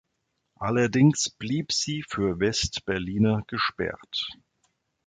Allerdings blieb sie für West-Berliner gesperrt.